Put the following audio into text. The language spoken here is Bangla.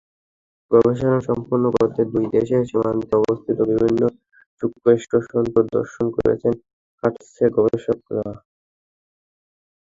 গবেষণা সম্পন্ন করতে দুই দেশের সীমান্তে অবস্থিত বিভিন্ন শুল্কস্টেশন পরিদর্শন করেছেন কাটসের গবেষকেরা।